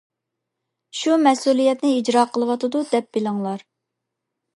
شۇ مەسئۇلىيەتنى ئىجرا قىلىۋاتىدۇ دەپ بىلىڭلار.